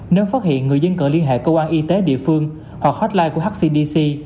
nếu phát hiện người dân cần liên hệ cơ quan y tế địa phương hoặc hotline của hcdc